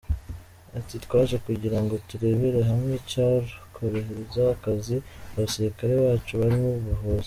Ati "Twaje kugira ngo turebere hamwe icyakorohereza akazi abasirikare bacu bari mu buvuzi.